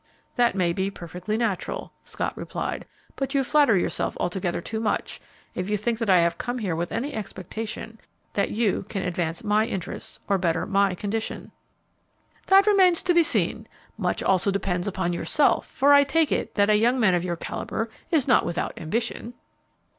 "That may be perfectly natural," Scott replied; "but you flatter yourself altogether too much if you think that I have come here with any expectation that you can advance my interests or better my condition." "That remains to be seen. Much also depends upon yourself, for I take it that a young man of your calibre is not without ambition."